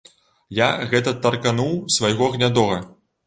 Я гэта таркануў свайго гнядога.